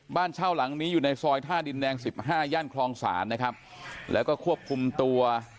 บ้านเช่าหลังนี้อยู่ในซอยท่าดินแดงสิบห้าย่านคลองศาลนะครับแล้วก็ควบคุมตัว